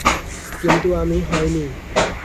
কিন্তু আমি হয়নি।